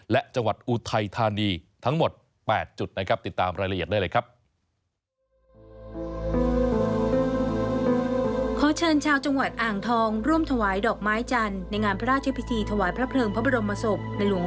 และจังหวัดอุไทธานีทั้งหมด๘จุดนะครับ